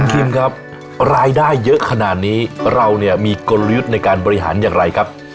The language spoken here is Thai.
คิมครับรายได้เยอะขนาดนี้เราเนี่ยมีกลยุทธ์ในการบริหารอย่างไรครับ